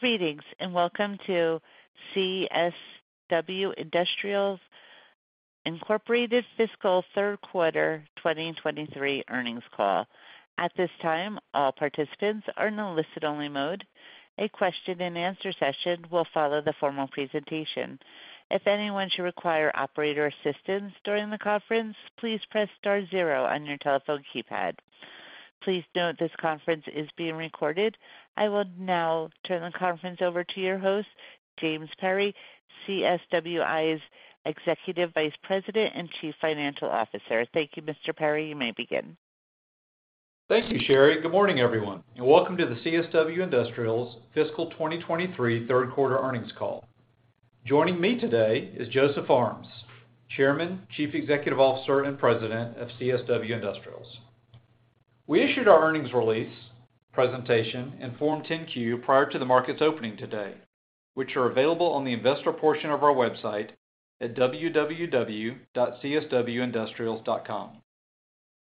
Greetings, welcome to CSW Industrials, Inc. Fiscal Third Quarter 2023 Earnings Call. At this time, all participants are in a listen only mode. A question-and-answer session will follow the formal presentation. If anyone should require operator assistance during the conference, please press star zero on your telephone keypad. Please note this conference is being recorded. I will now turn the conference over to your host, James Perry, CSWI's Executive Vice President and Chief Financial Officer. Thank you, Mr. Perry. You may begin. Thank you, Sheri. Good morning, everyone, and welcome to the CSW Industrials Fiscal 2023 Third Quarter Earnings call. Joining me today is Joseph Armes, Chairman, Chief Executive Officer, and President of CSW Industrials. We issued our earnings release presentation in Form 10-Q prior to the market's opening today, which are available on the investor portion of our website at www.cswindustrials.com.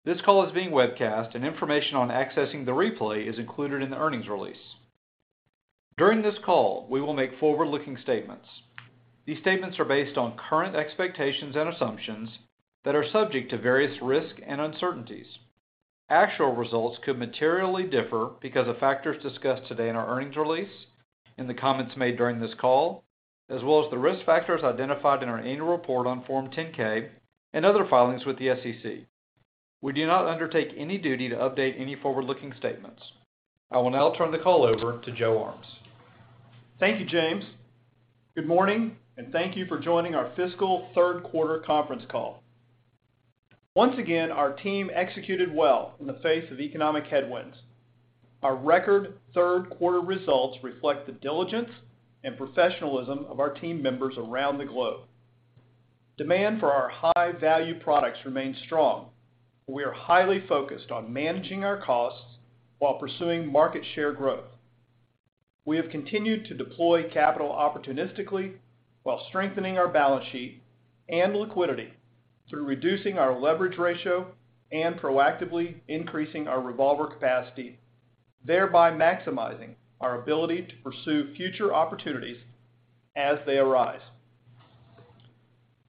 This call is being webcast, and information on accessing the replay is included in the earnings release. During this call, we will make forward-looking statements. These statements are based on current expectations and assumptions that are subject to various risks and uncertainties. Actual results could materially differ because of factors discussed today in our earnings release, in the comments made during this call, as well as the risk factors identified in our annual report on Form 10-K and other filings with the SEC. We do not undertake any duty to update any forward-looking statements. I will now turn the call over to Joe Armes. Thank you, James. Good morning, thank you for joining our fiscal third quarter conference call. Once again, our team executed well in the face of economic headwinds. Our record third quarter results reflect the diligence and professionalism of our team members around the globe. Demand for our high-value products remains strong. We are highly focused on managing our costs while pursuing market share growth. We have continued to deploy capital opportunistically while strengthening our balance sheet and liquidity through reducing our leverage ratio and proactively increasing our revolver capacity, thereby maximizing our ability to pursue future opportunities as they arise.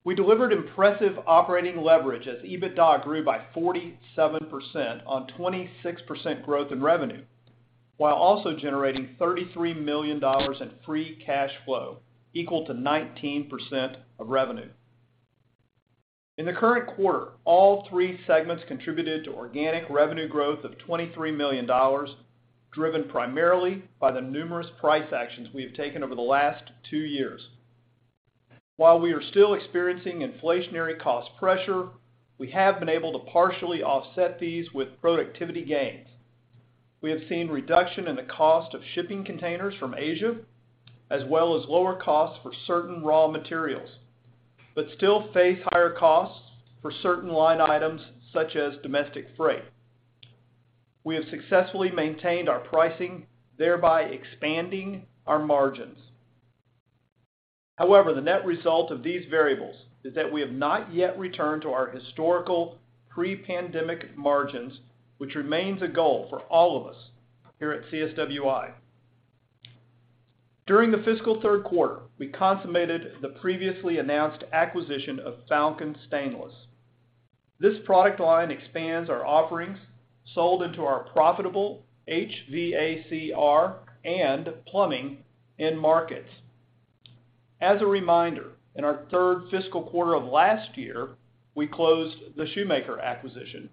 We delivered impressive operating leverage as EBITDA grew by 47% on 26% growth in revenue, while also generating $33 million in free cash flow, equal to 19% of revenue. In the current quarter, all three segments contributed to organic revenue growth of $23 million, driven primarily by the numerous price actions we have taken over the last two years. While we are still experiencing inflationary cost pressure, we have been able to partially offset these with productivity gains. We have seen reduction in the cost of shipping containers from Asia, as well as lower costs for certain raw materials, but still face higher costs for certain line items such as domestic freight. We have successfully maintained our pricing, thereby expanding our margins. However, the net result of these variables is that we have not yet returned to our historical pre-pandemic margins, which remains a goal for all of us here at CSWI. During the fiscal third quarter, we consummated the previously announced acquisition of Falcon Stainless. This product line expands our offerings sold into our profitable HVACR and plumbing end markets. As a reminder, in our 3rd fiscal quarter of last year, we closed the Shoemaker acquisition,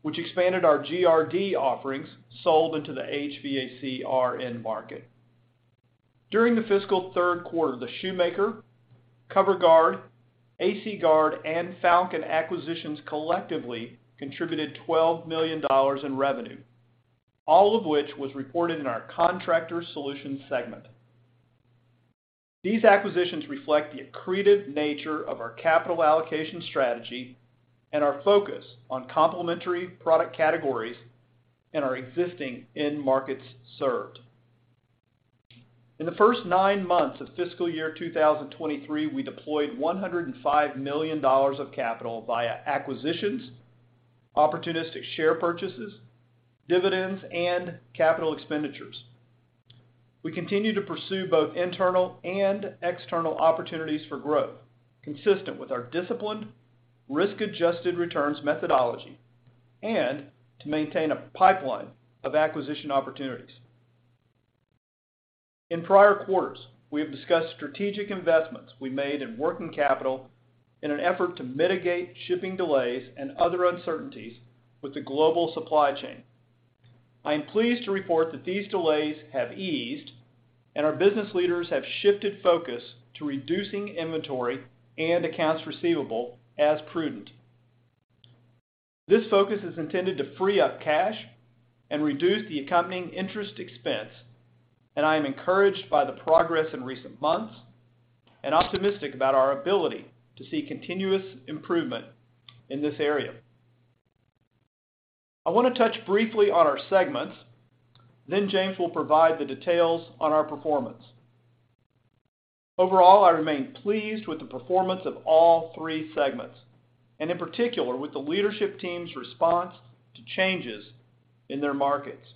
which expanded our GRD offerings sold into the HVACR end market. During the fiscal 3rd quarter, the Shoemaker, CoverGuard, AC GUARD, and Falcon acquisitions collectively contributed $12 million in revenue, all of which was reported in our Contractor Solutions segment. These acquisitions reflect the accretive nature of our capital allocation strategy and our focus on complementary product categories in our existing end markets served. In the first 9 months of fiscal year 2023, we deployed $105 million of capital via acquisitions, opportunistic share purchases, dividends, and capital expenditures. We continue to pursue both internal and external opportunities for growth consistent with our disciplined risk-adjusted returns methodology and to maintain a pipeline of acquisition opportunities. In prior quarters, we have discussed strategic investments we made in working capital in an effort to mitigate shipping delays and other uncertainties with the global supply chain. I am pleased to report that these delays have eased and our business leaders have shifted focus to reducing inventory and accounts receivable as prudent. This focus is intended to free up cash and reduce the accompanying interest expense, and I am encouraged by the progress in recent months and optimistic about our ability to see continuous improvement in this area. I want to touch briefly on our segments, then James will provide the details on our performance. Overall, I remain pleased with the performance of all three segments, and in particular with the leadership team's response to changes in their markets.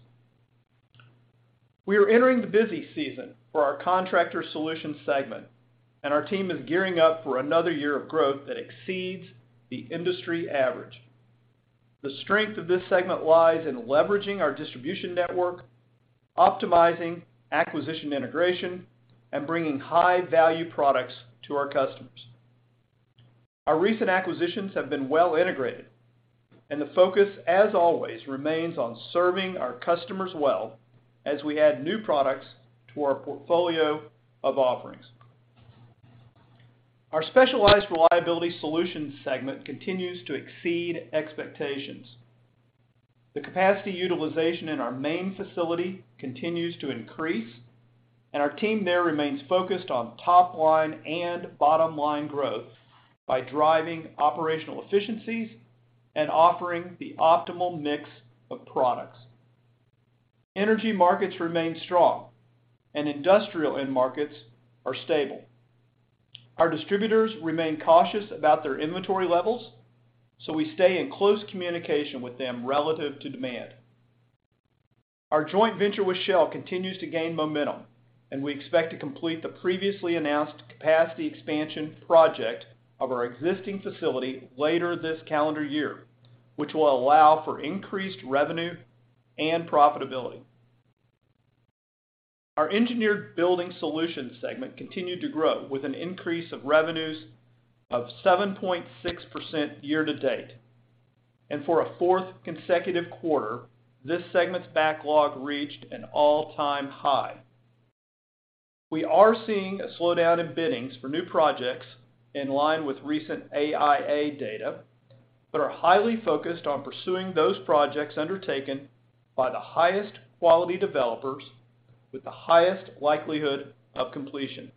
We are entering the busy season for our Contractor Solutions segment, and our team is gearing up for another year of growth that exceeds the industry average. The strength of this segment lies in leveraging our distribution network, optimizing acquisition integration, and bringing high value products to our customers. Our recent acquisitions have been well integrated and the focus, as always, remains on serving our customers well as we add new products to our portfolio of offerings. Our Specialized Reliability Solutions segment continues to exceed expectations. The capacity utilization in our main facility continues to increase, and our team there remains focused on top line and bottom line growth by driving operational efficiencies and offering the optimal mix of products. Energy markets remain strong and industrial end markets are stable. Our distributors remain cautious about their inventory levels, we stay in close communication with them relative to demand. Our joint venture with Shell continues to gain momentum, we expect to complete the previously announced capacity expansion project of our existing facility later this calendar year, which will allow for increased revenue and profitability. Our Engineered Building Solutions segment continued to grow with an increase of revenues of 7.6% year-to-date. For a fourth consecutive quarter, this segment's backlog reached an all-time high. We are seeing a slowdown in biddings for new projects in line with recent AIA data, but are highly focused on pursuing those projects undertaken by the highest quality developers with the highest likelihood of completion.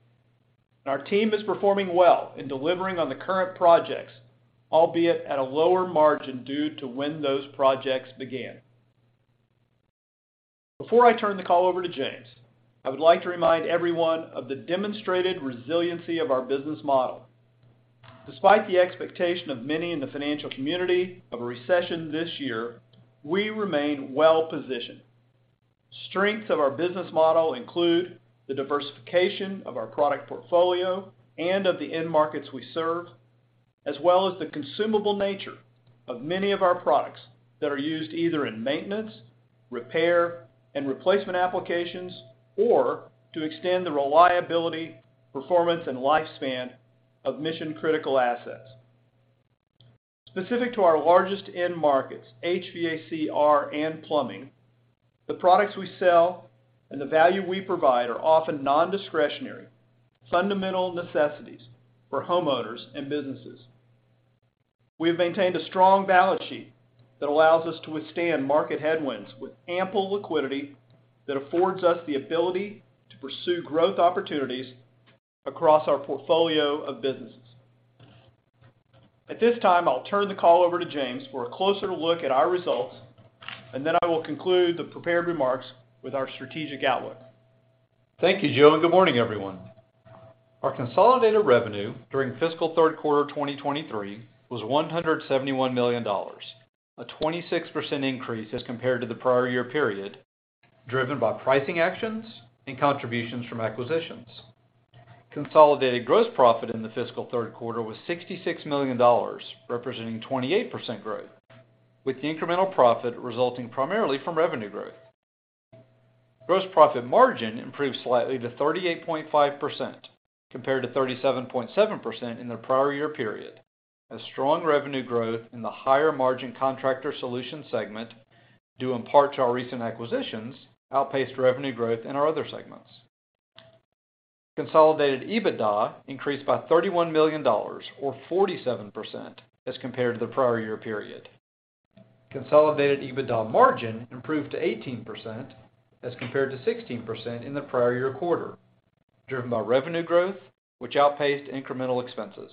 Our team is performing well in delivering on the current projects, albeit at a lower margin due to when those projects began. Before I turn the call over to James, I would like to remind everyone of the demonstrated resiliency of our business model. Despite the expectation of many in the financial community of a recession this year, we remain well positioned. Strengths of our business model include the diversification of our product portfolio and of the end markets we serve, as well as the consumable nature of many of our products that are used either in maintenance, repair, and replacement applications, or to extend the reliability, performance, and lifespan of mission-critical assets. Specific to our largest end markets, HVACR and plumbing, the products we sell and the value we provide are often non-discretionary, fundamental necessities for homeowners and businesses. We have maintained a strong balance sheet that allows us to withstand market headwinds with ample liquidity that affords us the ability to pursue growth opportunities across our portfolio of businesses. At this time, I'll turn the call over to James for a closer look at our results. Then I will conclude the prepared remarks with our strategic outlook. Thank you, Joe, good morning, everyone. Our consolidated revenue during fiscal third quarter 2023 was $171 million, a 26% increase as compared to the prior year period, driven by pricing actions and contributions from acquisitions. Consolidated gross profit in the fiscal third quarter was $66 million, representing 28% growth, with the incremental profit resulting primarily from revenue growth. Gross profit margin improved slightly to 38.5% compared to 37.7% in the prior year period. Strong revenue growth in the higher margin Contractor Solutions segment, due in part to our recent acquisitions, outpaced revenue growth in our other segments. Consolidated EBITDA increased by $31 million or 47% as compared to the prior year period. Consolidated EBITDA margin improved to 18% as compared to 16% in the prior year quarter, driven by revenue growth which outpaced incremental expenses.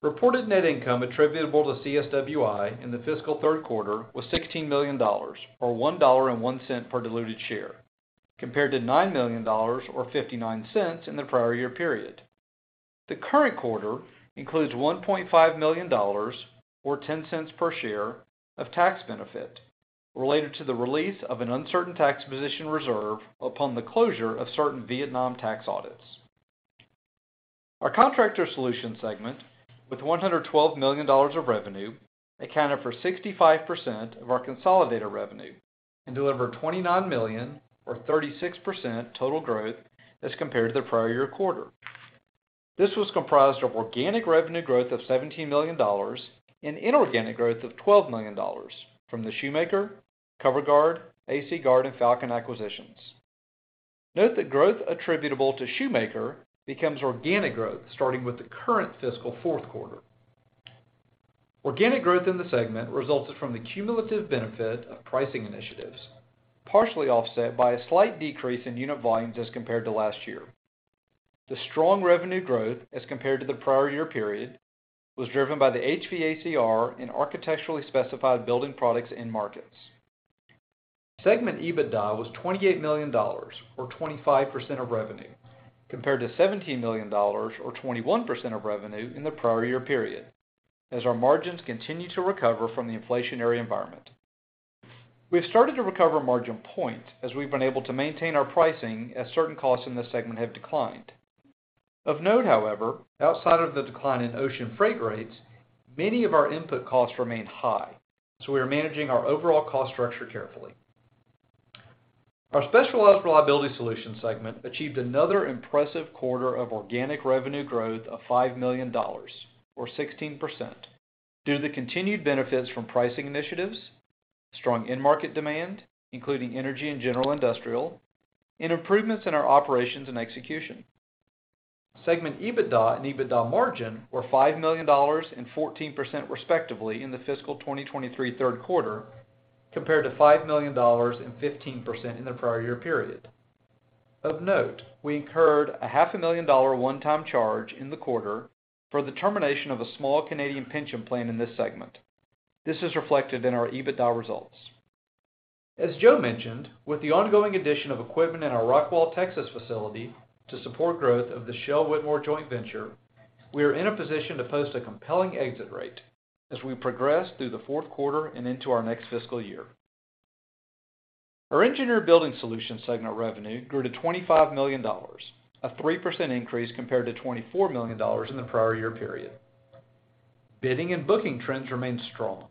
Reported net income attributable to CSWI in the fiscal third quarter was $16 million or $1.01 per diluted share, compared to $9 million or $0.59 in the prior year period. The current quarter includes $1.5 million or $0.10 per share of tax benefit related to the release of an uncertain tax position reserve upon the closure of certain Vietnam tax audits. Our Contractor Solutions segment, with $112 million of revenue, accounted for 65% of our consolidated revenue and delivered $29 million or 36% total growth as compared to the prior year quarter. This was comprised of organic revenue growth of $17 million and inorganic growth of $12 million from the Shoemaker, Cover Guard, AC GUARD, and Falcon acquisitions. Note that growth attributable to Shoemaker becomes organic growth starting with the current fiscal fourth quarter. Organic growth in the segment resulted from the cumulative benefit of pricing initiatives, partially offset by a slight decrease in unit volumes as compared to last year. The strong revenue growth as compared to the prior year period was driven by the HVACR in architecturally specified building products end markets. Segment EBITDA was $28 million, or 25% of revenue, compared to $17 million or 21% of revenue in the prior year period as our margins continue to recover from the inflationary environment. We have started to recover margin points as we've been able to maintain our pricing as certain costs in this segment have declined. Of note, however, outside of the decline in ocean freight rates, many of our input costs remain high. We are managing our overall cost structure carefully. Our Specialized Reliability Solutions segment achieved another impressive quarter of organic revenue growth of $5 million or 16%, due to the continued benefits from pricing initiatives, strong end market demand, including energy and general industrial, and improvements in our operations and execution. Segment EBITDA and EBITDA margin were $5 million and 14% respectively in the fiscal 2023 third quarter, compared to $5 million and 15% in the prior year period. Of note, we incurred a half a million dollar one-time charge in the quarter for the termination of a small Canadian pension plan in this segment. This is reflected in our EBITDA results. As Joe mentioned, with the ongoing addition of equipment in our Rockwall, Texas facility to support growth of the Shell Whitmore joint venture, we are in a position to post a compelling exit rate as we progress through the fourth quarter and into our next fiscal year. Our Engineered Building Solutions segment revenue grew to $25 million, a 3% increase compared to $24 million in the prior year period. Bidding and booking trends remain strong.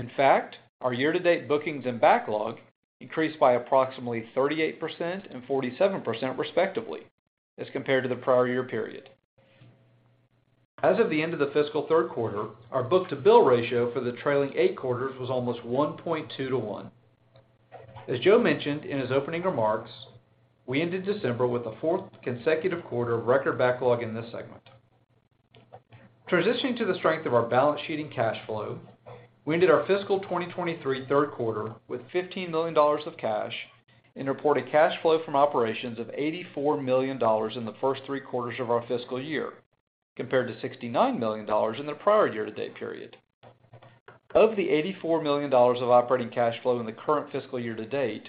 In fact, our year-to-date bookings and backlog increased by approximately 38% and 47% respectively as compared to the prior year period. As of the end of the fiscal third quarter, our book-to-bill ratio for the trailing eight quarters was almost 1.2:1. As Joe mentioned in his opening remarks, we ended December with the fourth consecutive quarter of record backlog in this segment. Transitioning to the strength of our balance sheet and cash flow, we ended our fiscal 2023 third quarter with $15 million of cash and reported cash flow from operations of $84 million in the first three quarters of our fiscal year, compared to $69 million in the prior year-to-date period. Of the $84 million of operating cash flow in the current fiscal year-to-date,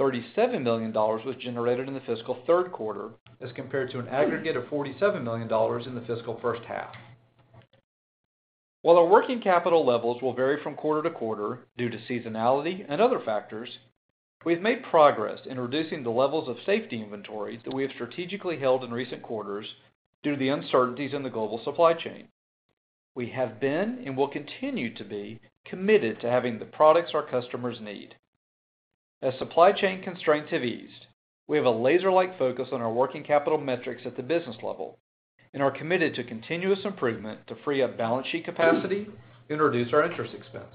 $37 million was generated in the fiscal third quarter as compared to an aggregate of $47 million in the fiscal first half. While our working capital levels will vary from quarter-to-quarter due to seasonality and other factors, we have made progress in reducing the levels of safety inventory that we have strategically held in recent quarters due to the uncertainties in the global supply chain. We have been and will continue to be committed to having the products our customers need. As supply chain constraints have eased, we have a laser-like focus on our working capital metrics at the business level and are committed to continuous improvement to free up balance sheet capacity and reduce our interest expense.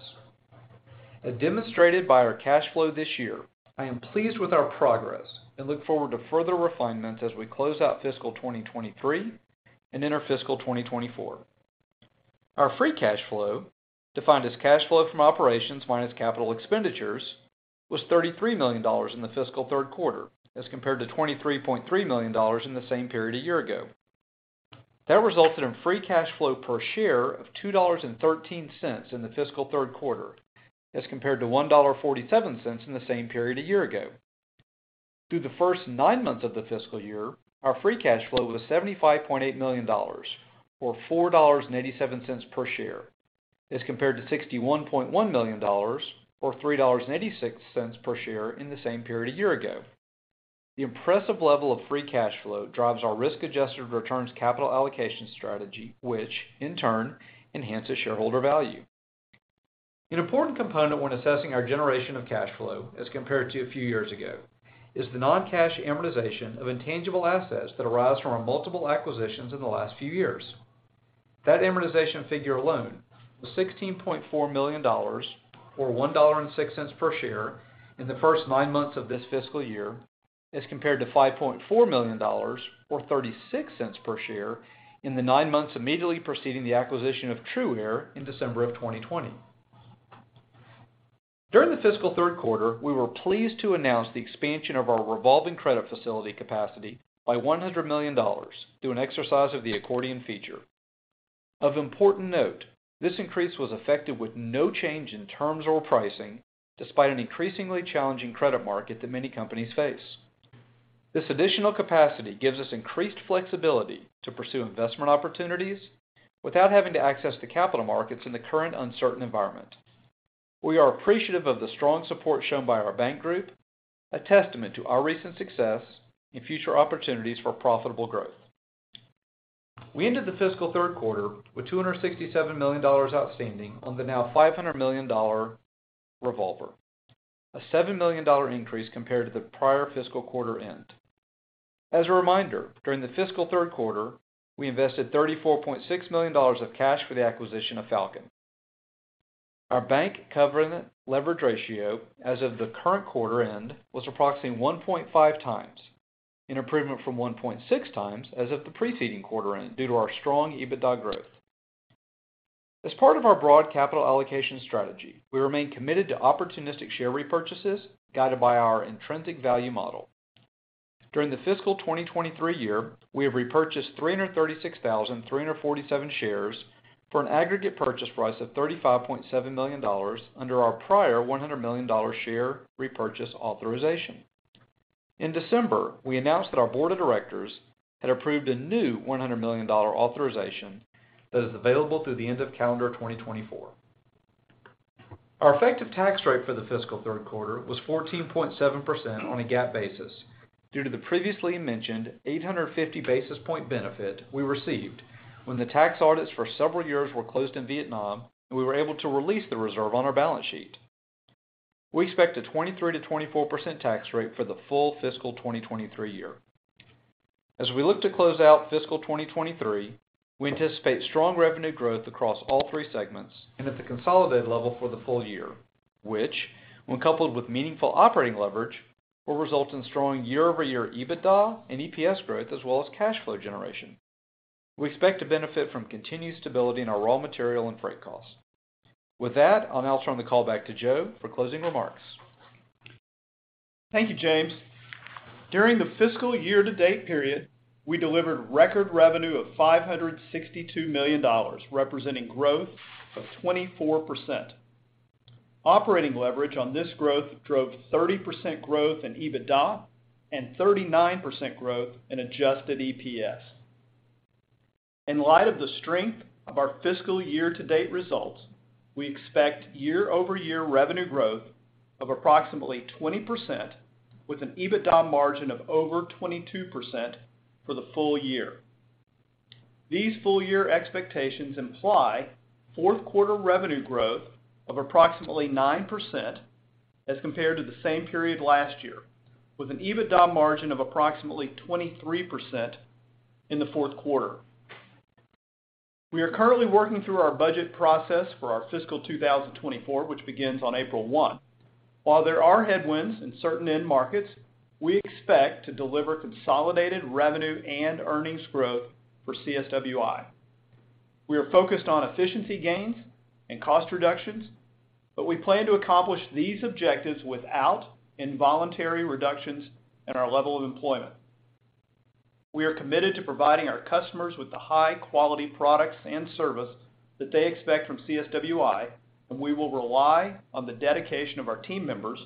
As demonstrated by our cash flow this year, I am pleased with our progress and look forward to further refinements as we close out fiscal 2023 and enter fiscal 2024. Our free cash flow, defined as cash flow from operations minus capital expenditures, was $33 million in the fiscal third quarter as compared to $23.3 million in the same period a year ago. That resulted in free cash flow per share of $2.13 in the fiscal third quarter as compared to $1.47 in the same period a year ago. Through the first 9 months of the fiscal year, our free cash flow was $75.8 million or $4.87 per share as compared to $61.1 million or $3.86 per share in the same period a year ago. The impressive level of free cash flow drives our risk-adjusted returns capital allocation strategy, which in turn enhances shareholder value. An important component when assessing our generation of cash flow as compared to a few years ago is the non-cash amortization of intangible assets that arise from our multiple acquisitions in the last few years. That amortization figure alone was $16.4 million or $1.06 per share in the first nine months of this fiscal year as compared to $5.4 million or $0.36 per share in the nine months immediately preceding the acquisition of TRUaire in December 2020. During the fiscal third quarter, we were pleased to announce the expansion of our revolving credit facility capacity by $100 million through an exercise of the accordion feature. Of important note, this increase was effective with no change in terms or pricing despite an increasingly challenging credit market that many companies face. This additional capacity gives us increased flexibility to pursue investment opportunities without having to access the capital markets in the current uncertain environment. We are appreciative of the strong support shown by our bank group, a testament to our recent success and future opportunities for profitable growth. We ended the fiscal third quarter with $267 million outstanding on the now $500 million revolver, a $7 million increase compared to the prior fiscal quarter end. As a reminder, during the fiscal third quarter, we invested $34.6 million of cash for the acquisition of Falcon. Our bank covenant leverage ratio as of the current quarter end was approximately 1.5x, an improvement from 1.6x as of the preceding quarter end due to our strong EBITDA growth. As part of our broad capital allocation strategy, we remain committed to opportunistic share repurchases guided by our intrinsic value model. During the fiscal 2023 year, we have repurchased 336,347 shares for an aggregate purchase price of $35.7 million under our prior $100 million share repurchase authorization. In December, we announced that our board of directors had approved a new $100 million authorization that is available through the end of calendar 2024. Our effective tax rate for the fiscal third quarter was 14.7% on a GAAP basis due to the previously mentioned 850 basis point benefit we received when the tax audits for several years were closed in Vietnam, and we were able to release the reserve on our balance sheet. We expect a 23%-24% tax rate for the full fiscal 2023 year. As we look to close out fiscal 2023, we anticipate strong revenue growth across all three segments and at the consolidated level for the full year, which when coupled with meaningful operating leverage, will result in strong year-over-year EBITDA and EPS growth, as well as cash flow generation. We expect to benefit from continued stability in our raw material and freight costs. With that, I'll now turn the call back to Joe for closing remarks. Thank you, James. During the fiscal year-to-date period, we delivered record revenue of $562 million, representing growth of 24%. Operating leverage on this growth drove 30% growth in EBITDA and 39% growth in Adjusted EPS. In light of the strength of our fiscal year-to-date results, we expect year-over-year revenue growth of approximately 20% with an EBITDA margin of over 22% for the full year. These full year expectations imply fourth quarter revenue growth of approximately 9% as compared to the same period last year, with an EBITDA margin of approximately 23% in the fourth quarter. We are currently working through our budget process for our fiscal 2024, which begins on April 1. While there are headwinds in certain end markets, we expect to deliver consolidated revenue and earnings growth for CSWI. We are focused on efficiency gains and cost reductions. We plan to accomplish these objectives without involuntary reductions in our level of employment. We are committed to providing our customers with the high-quality products and service that they expect from CSWI. We will rely on the dedication of our team members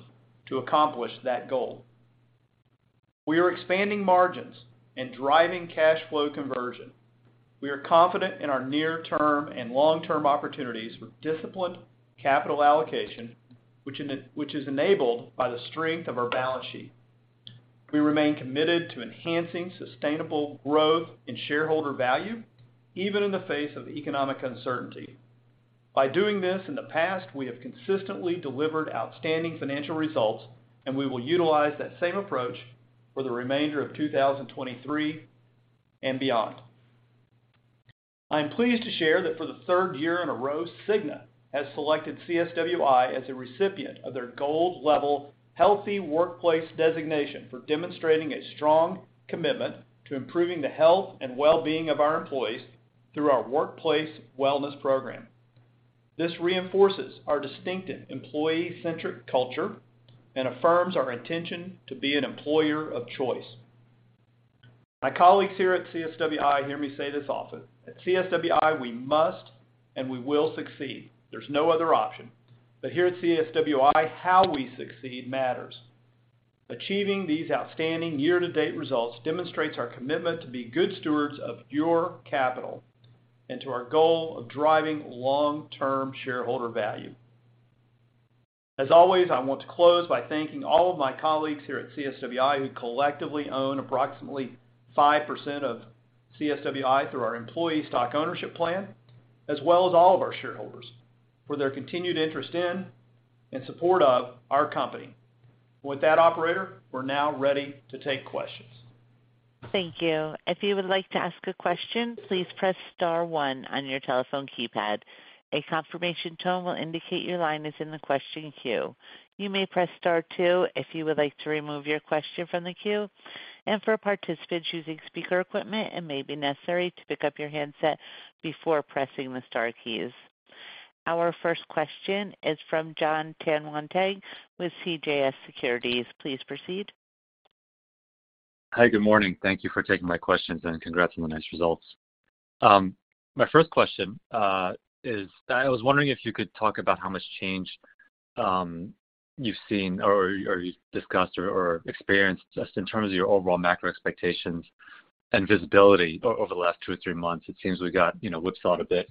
to accomplish that goal. We are expanding margins and driving cash flow conversion. We are confident in our near-term and long-term opportunities with disciplined capital allocation, which is enabled by the strength of our balance sheet. We remain committed to enhancing sustainable growth in shareholder value even in the face of economic uncertainty. By doing this in the past, we have consistently delivered outstanding financial results. We will utilize that same approach for the remainder of 2023 and beyond. I am pleased to share that for the third year in a row, Cigna has selected CSWI as a recipient of their gold-level Healthy Workforce Designation for demonstrating a strong commitment to improving the health and well-being of our employees through our workplace wellness program. This reinforces our distinctive employee-centric culture and affirms our intention to be an employer of choice. My colleagues here at CSWI hear me say this often: At CSWI, we must and we will succeed. There's no other option. Here at CSWI, how we succeed matters. Achieving these outstanding year-to-date results demonstrates our commitment to be good stewards of your capital and to our goal of driving long-term shareholder value. As always, I want to close by thanking all of my colleagues here at CSWI, who collectively own approximately 5% of CSWI through our employee stock ownership plan, as well as all of our shareholders for their continued interest in and support of our company. With that, operator, we're now ready to take questions. Thank you. If you would like to ask a question, please press star one on your telephone keypad. A confirmation tone will indicate your line is in the question queue. You may press Star two if you would like to remove your question from the queue. For participants using speaker equipment, it may be necessary to pick up your handset before pressing the star keys. Our first question is from Jon Tanwanteng with CJS Securities. Please proceed. Hi. Good morning. Thank you for taking my questions. Congrats on the nice results. My first question is I was wondering if you could talk about how much change you've seen or you've discussed or experienced just in terms of your overall macro expectations and visibility over the last two or three months. It seems we got, you know, whipsawed a bit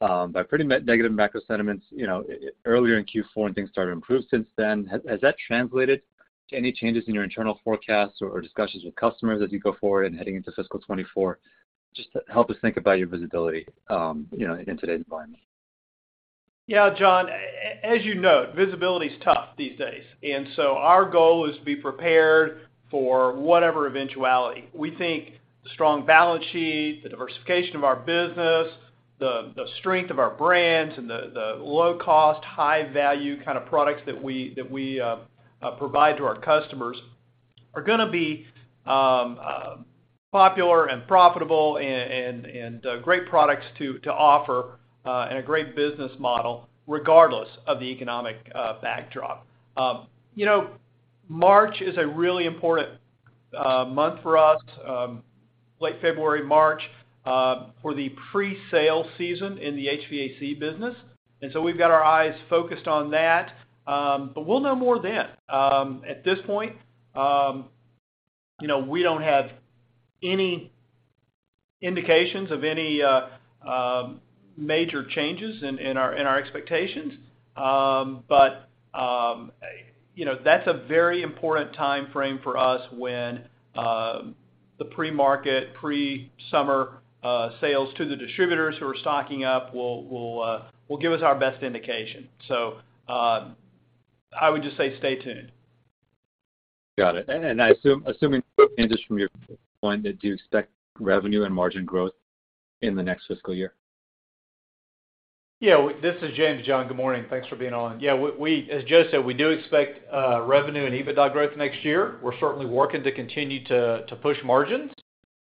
by pretty negative macro sentiments, you know, earlier in Q4. Things started to improve since then. Has that translated to any changes in your internal forecasts or discussions with customers as you go forward and heading into fiscal 2024? Just to help us think about your visibility, you know, in today's environment. Jon, as you know, visibility is tough these days, so our goal is to be prepared for whatever eventuality. We think the strong balance sheet, the diversification of our business, the strength of our brands and the low cost, high value kind of products that we provide to our customers are gonna be popular and profitable and great products to offer and a great business model regardless of the economic backdrop. You know, March is a really important month for us, late February, March, for the pre-sale season in the HVAC business. We've got our eyes focused on that, but we'll know more then. At this point, you know, we don't have any indications of any major changes in our expectations. You know, that's a very important timeframe for us when the pre-market, pre-summer, sales to the distributors who are stocking up will give us our best indication. I would just say stay tuned. Got it. Assuming from your point that you expect revenue and margin growth in the next fiscal year? Yeah. This is James, Jon. Good morning. Thanks for being on. Yeah, we, as Joe said, we do expect revenue and EBITDA growth next year. We're certainly working to continue to push margins.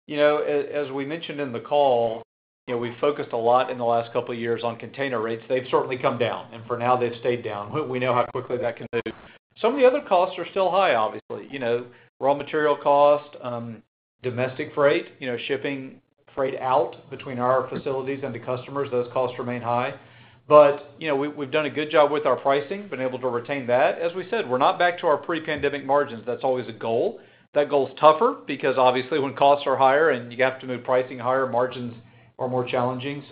You know, as we mentioned in the call, you know, we focused a lot in the last couple of years on container rates. They've certainly come down. For now they've stayed down. We know how quickly that can move. Some of the other costs are still high, obviously. You know, raw material cost, domestic freight, you know, shipping freight out between our facilities and the customers, those costs remain high. You know, we've done a good job with our pricing, been able to retain that. As we said, we're not back to our pre-pandemic margins. That's always a goal. That goal is tougher because obviously when costs are higher and you have to move pricing higher, margins are more challenging.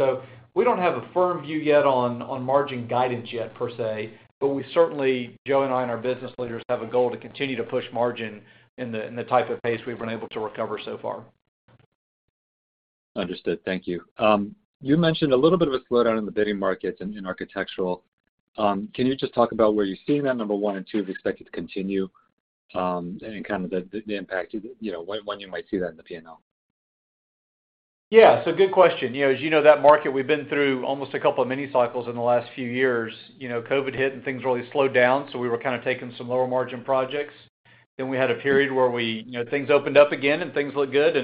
We don't have a firm view yet on margin guidance yet, per se, but we certainly, Joe and I and our business leaders have a goal to continue to push margin in the type of pace we've been able to recover so far. Understood. Thank you. You mentioned a little bit of a slowdown in the bidding markets in architectural. Can you just talk about where you're seeing that, number one, and two, do you expect it to continue, and kind of the impact, you know, when you might see that in the P&L? Yeah. Good question. You know, as you know, that market, we've been through almost two mini cycles in the last few years. You know, COVID hit and things really slowed down, so we were kind of taking some lower margin projects. We had a period where, you know, things opened up again and things look good,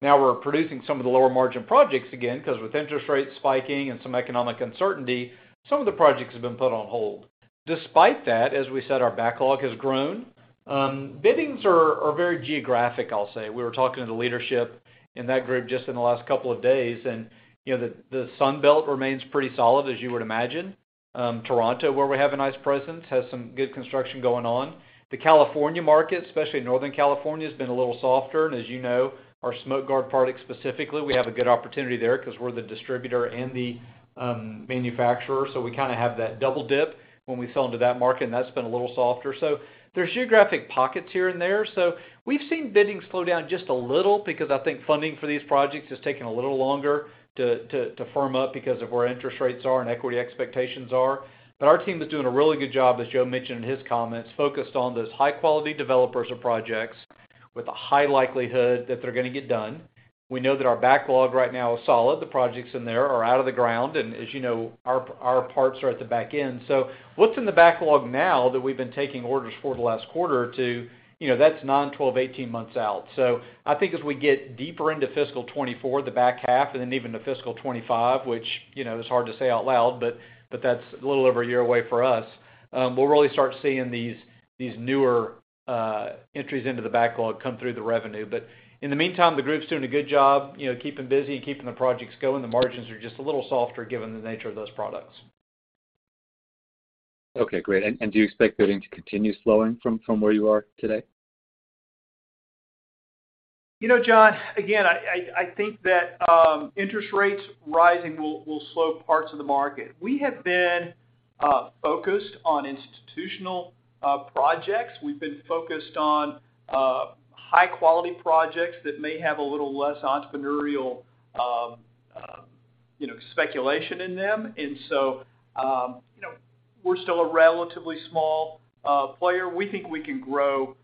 and now we're producing some of the lower margin projects again, because with interest rates spiking and some economic uncertainty, some of the projects have been put on hold. Despite that, as we said, our backlog has grown. Biddings are very geographic, I'll say. We were talking to the leadership in that group just in the last two days, and, you know, the Sun Belt remains pretty solid, as you would imagine. Toronto, where we have a nice presence, has some good construction going on. The California market, especially Northern California, has been a little softer. As you know, our Smoke Guard product specifically, we have a good opportunity there because we're the distributor and the manufacturer, so we kinda have that double dip when we sell into that market, and that's been a little softer. There's geographic pockets here and there. We've seen biddings slow down just a little because I think funding for these projects is taking a little longer to firm up because of where interest rates are and equity expectations are. Our team is doing a really good job, as Joe mentioned in his comments, focused on those high-quality developers or projects with a high likelihood that they're gonna get done. We know that our backlog right now is solid. The projects in there are out of the ground, and as you know, our parts are at the back end. What's in the backlog now that we've been taking orders for the last quarter or two, you know, that's nine, 12, 18 months out. I think as we get deeper into fiscal 2024, the back half, and then even to fiscal 2025, which, you know, is hard to say out loud, but that's a little over a year away for us, we'll really start seeing these newer entries into the backlog come through the revenue. In the meantime, the group's doing a good job, you know, keeping busy and keeping the projects going. The margins are just a little softer given the nature of those products. Okay, great. Do you expect bidding to continue slowing from where you are today? You know, Jon, again, I think that interest rates rising will slow parts of the market. We have been focused on institutional projects. We've been focused on high-quality projects that may have a little less entrepreneurial, you know, speculation in them. You know, we're still a relatively small player. We think we can grow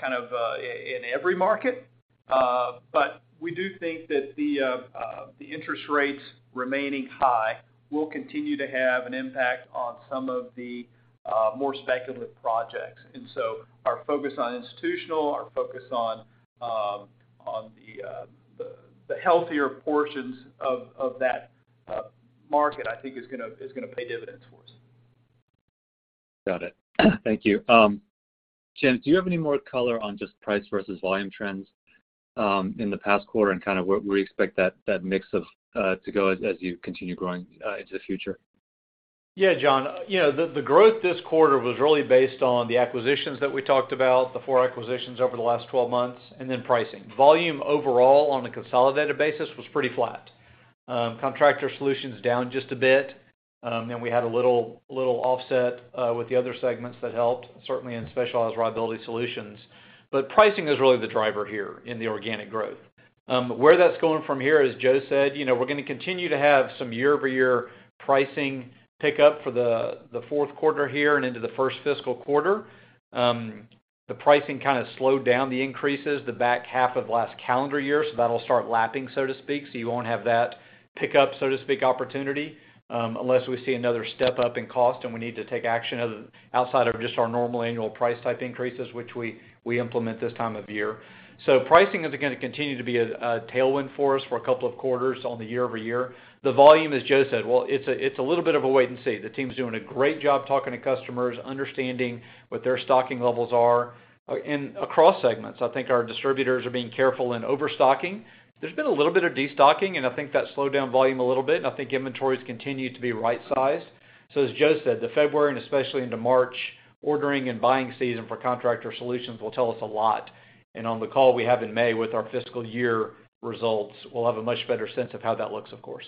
kind of in every market. But we do think that the interest rates remaining high will continue to have an impact on some of the more speculative projects. Our focus on institutional, our focus on the healthier portions of that market, I think, is gonna pay dividends for us. Got it. Thank you. James, do you have any more color on just price versus volume trends in the past quarter and kind of where you expect that mix of to go as you continue growing into the future? Yeah, Jon. You know, the growth this quarter was really based on the acquisitions that we talked about, the four acquisitions over the last 12 months, and then pricing. Volume overall on a consolidated basis was pretty flat. Contractor Solutions down just a bit. Then we had a little offset with the other segments that helped, certainly in Specialized Reliability Solutions. Pricing is really the driver here in the organic growth. Where that's going from here, as Joe said, you know, we're gonna continue to have some year-over-year pricing pickup for the fourth quarter here and into the first fiscal quarter. The pricing kind of slowed down the increases the back half of last calendar year, so that'll start lapping, so to speak. You won't have that pickup, so to speak, opportunity, unless we see another step-up in cost and we need to take action outside of just our normal annual price type increases, which we implement this time of year. Pricing is gonna continue to be a tailwind for us for a couple of quarters on the year-over-year. The volume, as Joe said, well, it's a little bit of a wait and see. The team's doing a great job talking to customers, understanding what their stocking levels are. Across segments, I think our distributors are being careful in overstocking. There's been a little bit of destocking, and I think that slowed down volume a little bit, and I think inventories continue to be right-sized. As Joe said, the February and especially into March ordering and buying season for Contractor Solutions will tell us a lot. On the call we have in May with our fiscal year results, we'll have a much better sense of how that looks, of course.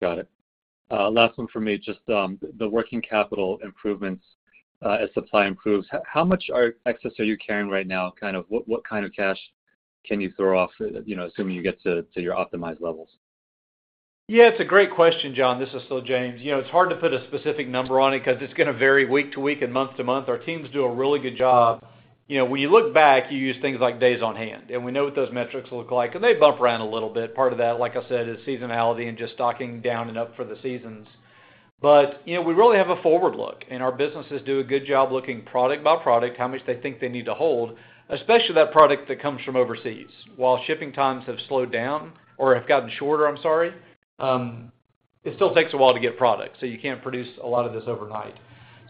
Got it. Last one for me, just, the working capital improvements, as supply improves, how much excess are you carrying right now? Kind of what kind of cash can you throw off, you know, assuming you get to your optimized levels? It's a great question, Jon. This is still James. You know, it's hard to put a specific number on it 'cause it's gonna vary week to week and month to month. Our teams do a really good job. You know, when you look back, you use things like days on hand, and we know what those metrics look like, and they bump around a little bit. Part of that, like I said, is seasonality and just stocking down and up for the seasons. You know, we really have a forward look, and our businesses do a good job looking product by product, how much they think they need to hold, especially that product that comes from overseas. While shipping times have slowed down or have gotten shorter, I'm sorry, it still takes a while to get product, so you can't produce a lot of this overnight.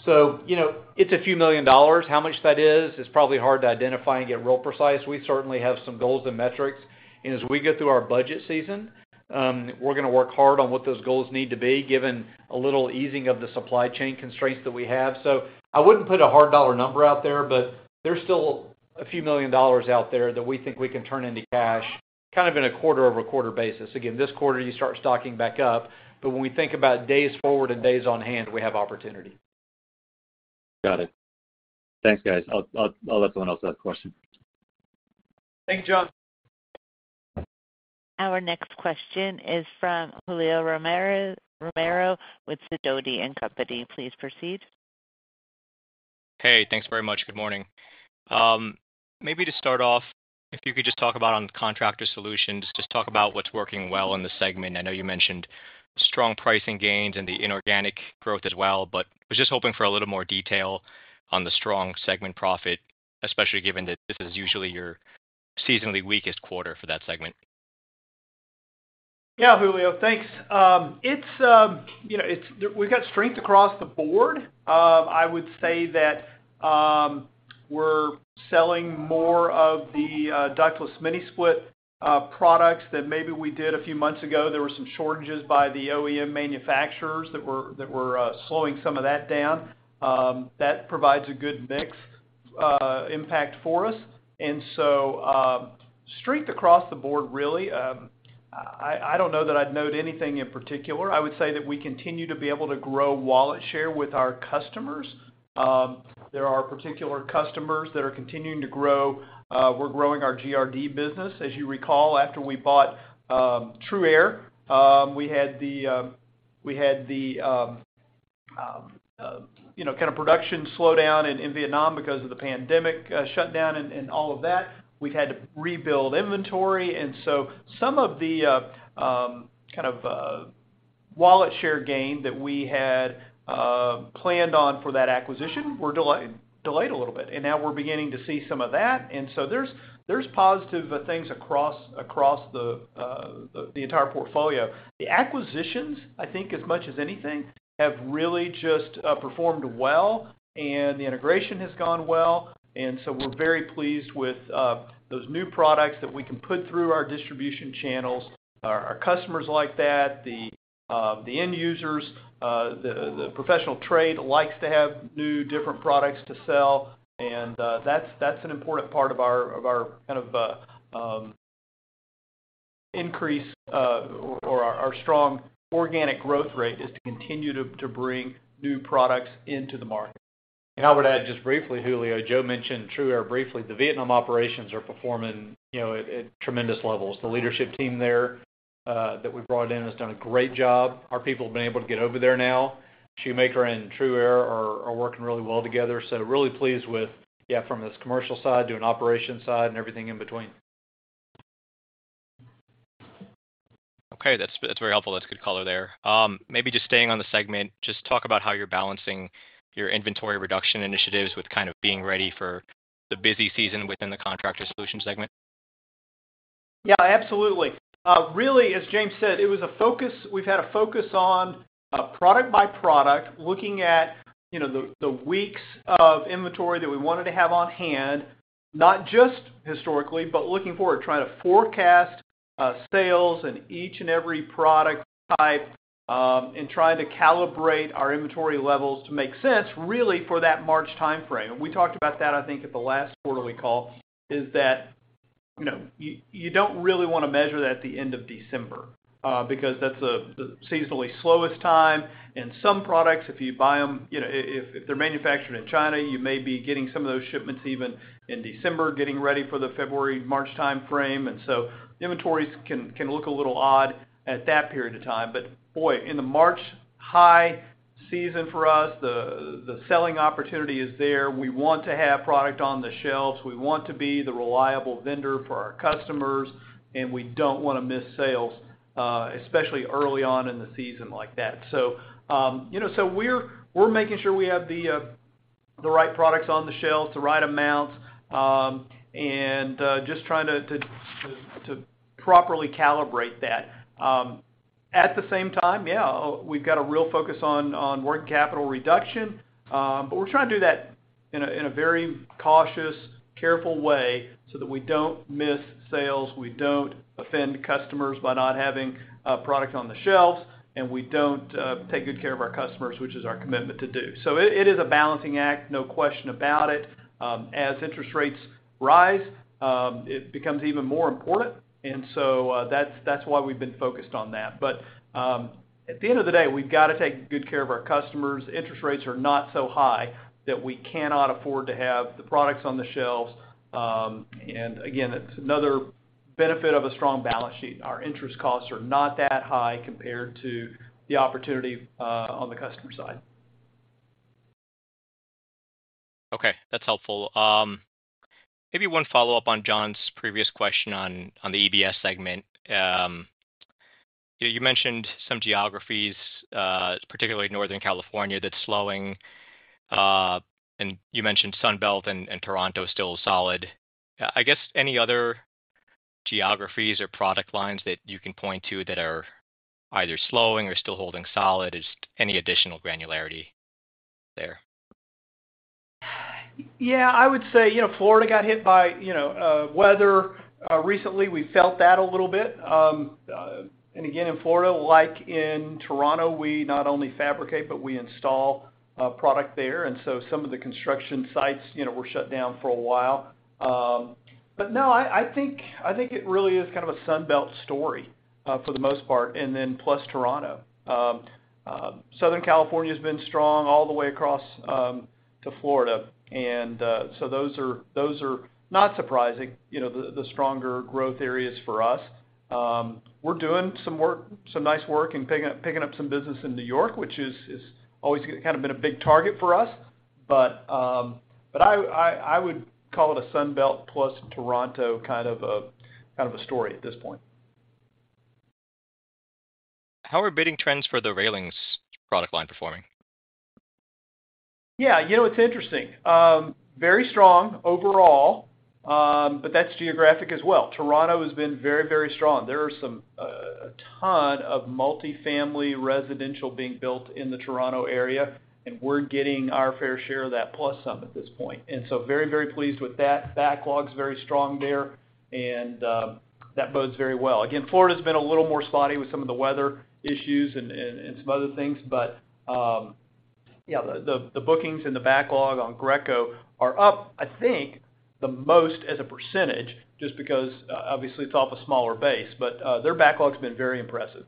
You know, it's a few million dollars. How much that is, it's probably hard to identify and get real precise. We certainly have some goals and metrics. As we get through our budget season, we're gonna work hard on what those goals need to be, given a little easing of the supply chain constraints that we have. I wouldn't put a hard dollar number out there, but there's still a few million dollars out there that we think we can turn into cash kind of in a quarter-over-quarter basis. Again, this quarter, you start stocking back up, but when we think about days forward and days on hand, we have opportunity. Got it. Thanks, guys. I'll let someone else ask a question. Thanks, Jon. Our next question is from Julio Romero with Sidoti & Company. Please proceed. Hey, thanks very much. Good morning. Maybe to start off, if you could just talk about on Contractor Solutions, just talk about what's working well in the segment. I know you mentioned strong pricing gains and the inorganic growth as well, was just hoping for a little more detail on the strong segment profit, especially given that this is usually your seasonally weakest quarter for that segment. Yeah, Julio. Thanks. You know, we've got strength across the board. I would say that we're selling more of the ductless mini-split products than maybe we did a few months ago. There were some shortages by the OEM manufacturers that were slowing some of that down. That provides a good mix impact for us. Strength across the board really. I don't know that I'd note anything in particular. I would say that we continue to be able to grow wallet share with our customers. There are particular customers that are continuing to grow. We're growing our GRD business. As you recall, after we bought TRUaire, we had the, you know, kind of production slow down in Vietnam because of the pandemic shutdown and all of that. We've had to rebuild inventory. Some of the kind of wallet share gain that we had planned on for that acquisition were delayed a little bit, and now we're beginning to see some of that. There's positive things across the entire portfolio. The acquisitions, I think as much as anything, have really just performed well and the integration has gone well, and so we're very pleased with those new products that we can put through our distribution channels. Our customers like that. The end users, the professional trade likes to have new different products to sell. That's an important part of our kind of increase or our strong organic growth rate is to continue to bring new products into the market. I would add just briefly, Julio, Joe mentioned TRUaire briefly. The Vietnam operations are performing, you know, at tremendous levels. The leadership team there that we brought in has done a great job. Our people have been able to get over there now. Shoemaker and TRUaire are working really well together. Really pleased with, yeah, from this commercial side to an operations side and everything in between. Okay. That's, that's very helpful. That's good color there. Maybe just staying on the segment, just talk about how you're balancing your inventory reduction initiatives with kind of being ready for the busy season within the Contractor Solutions segment. Yeah, absolutely. Really, as James said, it was a focus on product by product, looking at, you know, the weeks of inventory that we wanted to have on hand, not just historically, but looking forward, trying to forecast sales in each and every product type, and trying to calibrate our inventory levels to make sense really for that March timeframe. We talked about that, I think, at the last quarterly call, is that, you know, you don't really wanna measure that at the end of December, because that's the seasonally slowest time. Some products, if you buy 'em, you know, if they're manufactured in China, you may be getting some of those shipments even in December, getting ready for the February-March timeframe. Inventories can look a little odd at that period of time. Boy, in the March high season for us, the selling opportunity is there. We want to have product on the shelves. We want to be the reliable vendor for our customers, and we don't wanna miss sales, especially early on in the season like that. You know, we're making sure we have the right products on the shelves, the right amounts, and just trying to properly calibrate that. At the same time, yeah, we've got a real focus on working capital reduction, but we're trying to do that in a very cautious, careful way so that we don't miss sales, we don't offend customers by not having product on the shelves, and we don't take good care of our customers, which is our commitment to do. It is a balancing act, no question about it. As interest rates rise, it becomes even more important, and so, that's why we've been focused on that. At the end of the day, we've gotta take good care of our customers. Interest rates are not so high that we cannot afford to have the products on the shelves. Again, it's another benefit of a strong balance sheet. Our interest costs are not that high compared to the opportunity, on the customer side. Okay, that's helpful. Maybe one follow-up on Jon's previous question on the EBS segment. You mentioned some geographies, particularly Northern California, that's slowing. You mentioned Sunbelt and Toronto is still solid. I guess, any other geographies or product lines that you can point to that are either slowing or still holding solid? Just any additional granularity there? Yeah. I would say, you know, Florida got hit by, you know, weather. Recently we felt that a little bit. Again, in Florida, like in Toronto, we not only fabricate, but we install product there. Some of the construction sites, you know, were shut down for a while. No, I think, I think it really is kind of a Sunbelt story, for the most part, and then plus Toronto. Southern California's been strong all the way across to Florida. Those are not surprising, you know, the stronger growth areas for us. We're doing some work, some nice work in picking up some business in New York, which is always kind of been a big target for us. I would call it a Sunbelt plus Toronto kind of a story at this point. How are bidding trends for the railings product line performing? Yeah. You know, it's interesting. Very strong overall, but that's geographic as well. Toronto has been very, very strong. There are some, a ton of multifamily residential being built in the Toronto area, and we're getting our fair share of that plus some at this point. Very, very pleased with that. Backlog's very strong there, and that bodes very well. Again, Florida's been a little more spotty with some of the weather issues and some other things. Yeah, the bookings and the backlog on Greco are up, I think, the most as a percentage just because obviously it's off a smaller base. Their backlog's been very impressive.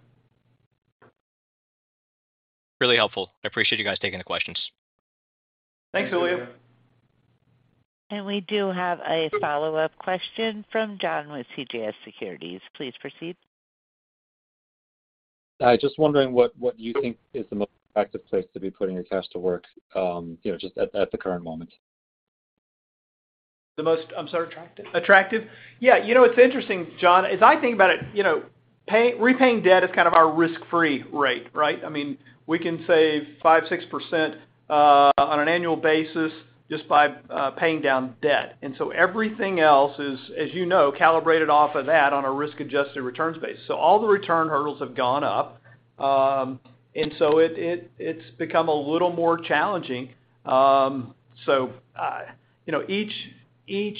Really helpful. I appreciate you guys taking the questions. Thanks, Julio. We do have a follow-up question from Jon with CJS Securities. Please proceed. I just wondering what you think is the most attractive place to be putting your cash to work, you know, just at the current moment? The most, I'm sorry, attractive? Attractive. Yeah. You know, it's interesting, Jon. As I think about it, you know, repaying debt is kind of our risk-free rate, right? I mean, we can save 5%, 6% on an annual basis just by paying down debt. Everything else is, as you know, calibrated off of that on a risk-adjusted returns base. All the return hurdles have gone up. It's become a little more challenging. You know, each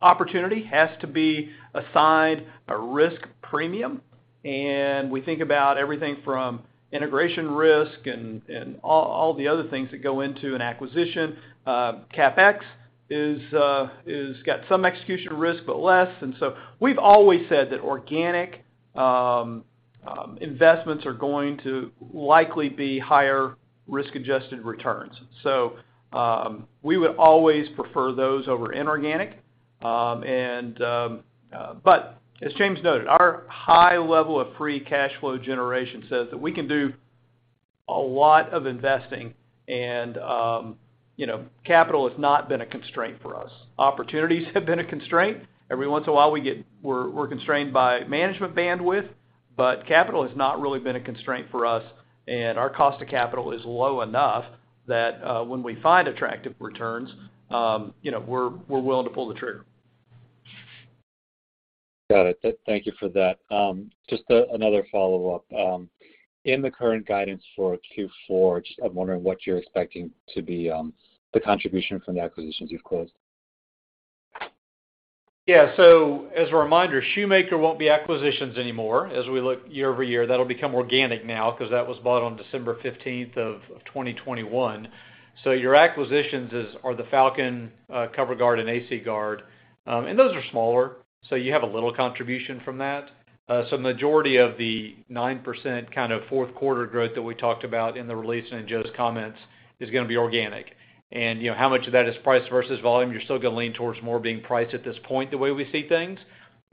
opportunity has to be assigned a risk premium, and we think about everything from integration risk and all the other things that go into an acquisition. CapEx is got some execution risk, but less. We've always said that organic investments are going to likely be higher risk-adjusted returns. We would always prefer those over inorganic. As James noted, our high level of free cash flow generation says that we can do a lot of investing and, you know, capital has not been a constraint for us. Opportunities have been a constraint. Every once in a while we're constrained by management bandwidth, but capital has not really been a constraint for us, and our cost of capital is low enough that when we find attractive returns, you know, we're willing to pull the trigger. Got it. Thank you for that. Just another follow-up. In the current guidance for Q4, I'm wondering what you're expecting to be the contribution from the acquisitions you've closed. As a reminder, Shoemaker won't be acquisitions anymore. As we look year-over-year, that'll become organic now 'cause that was bought on December 15th of 2021. Your acquisitions are the Falcon, Cover Guard and AC GUARD. Those are smaller, so you have a little contribution from that. Majority of the 9% kind of fourth quarter growth that we talked about in the release and in Joe's comments is gonna be organic. You know, how much of that is price versus volume? You're still gonna lean towards more being price at this point the way we see things.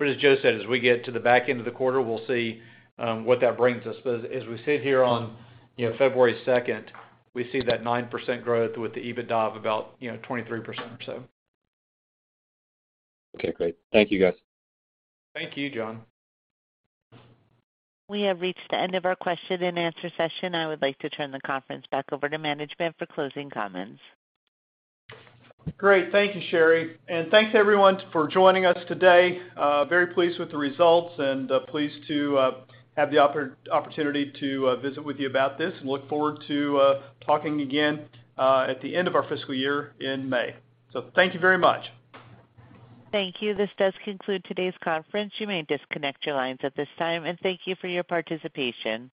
As Joe said, as we get to the back end of the quarter, we'll see what that brings us. As we sit here on, you know, February second, we see that 9% growth with the EBITDA of about, you know, 23% or so. Okay, great. Thank you, guys. Thank you, Jon. We have reached the end of our question-and-answer session. I would like to turn the conference back over to management for closing comments. Great. Thank you, Sheri. Thanks everyone for joining us today. Very pleased with the results and pleased to have the opportunity to visit with you about this, and look forward to talking again at the end of our fiscal year in May. Thank you very much. Thank you. This does conclude today's conference. You may disconnect your lines at this time, and thank you for your participation.